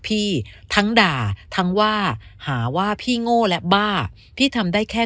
พี่ทั้งด่าทั้งว่าหาว่าพี่โง่และบ้าพี่ทำได้แค่